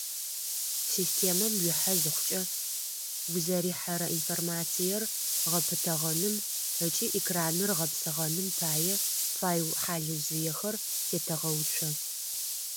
Системэм уихьэ зыхъукӏэ, узэрихьэрэ информациер гъэпытэгъэным ыкӏи экраныр гъэпсыгъэным пае, файл хьалыжъыехэр тетэгъэуцо.